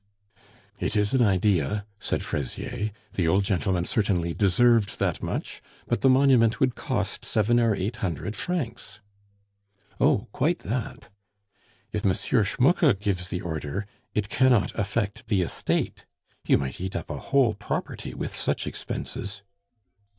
"It is an idea," said Fraisier; "the old gentleman certainly deserved that much; but the monument would cost seven or eight hundred francs." "Oh! quite that!" "If M. Schmucke gives the order, it cannot affect the estate. You might eat up a whole property with such expenses."